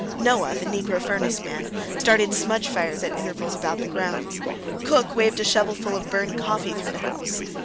Noah (negro furnace man) started smudge fires at intervals about the grounds. Cook waved a shovelful of burning coffee through the house.